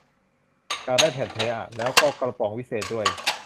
อยากได้แผ่นแท้อะ แล้วก็กระป๋องวิเศษด้วย